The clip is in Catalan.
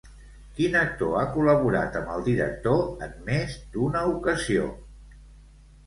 Quin actor ha col·laborat amb el director en més d'una ocasió?